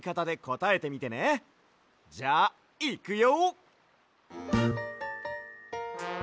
じゃあいくよ！